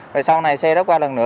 rồi sau này xe đó qua lần nữa